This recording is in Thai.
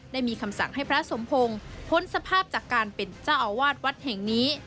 ได้มีคำสั่งให้พระสมพงศ์พ้นสภาพจากการเป็นเจ้าอาวาสวัดแห่งนี้